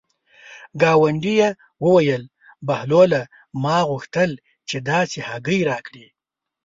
ګاونډي یې وویل: بهلوله ما غوښتل چې داسې هګۍ راکړې.